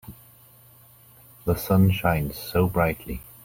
The sun shines so brightly.